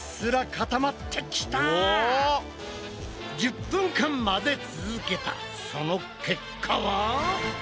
１０分間混ぜ続けたその結果は？